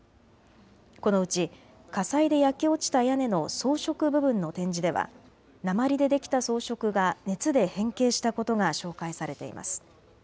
このうち火災で焼け落ちた屋根の装飾部分の展示では鉛でできた装飾が熱で変形したことが紹介されています。